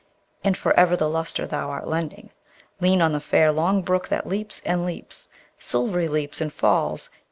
And for ever the lustre thou art lending, Lean on the fair long brook that leaps and leaps, Silvery leaps and falls.